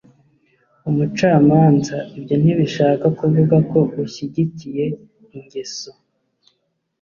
umucamanza ibyo ntibishaka kuvuga ko ushyigikiye ingeso